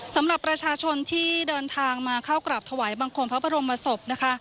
สำหรับประชาชนที่เดินทางมาเข้ากราบถวายบังคมพระบรมศพนะคะ